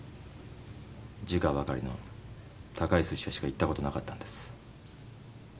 時価ばかりの高いすし屋しか行ったことなかったんです。